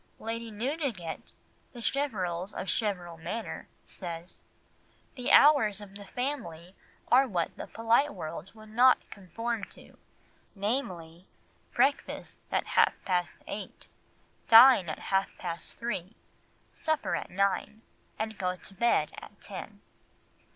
Lady Newdigate (The Cheverels of Cheverel Manor) says, "The hours of the family are what the polite world would not conform to, viz., breakfast at half past eight, dine at half past three, supper at nine, and go to bed at ten."